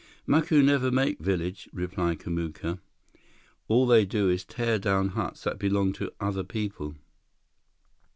"Macu never make village," replied Kamuka. "All they do is tear down huts that belong to other people."